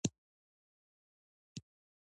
د بولان پټي د افغانانو د فرهنګي پیژندنې برخه ده.